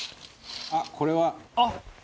あっ、これは！